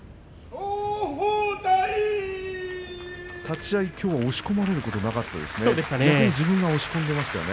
立ち合い、きょうは押し込まれることがなかったですね。